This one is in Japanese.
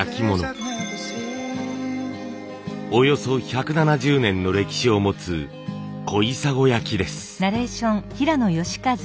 およそ１７０年の歴史を持つ小砂焼です。